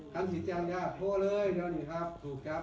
อืมเอาไว้ขับเอาไว้ขับเอาไว้ขับ